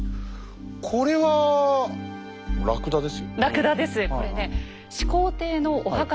これはラクダです。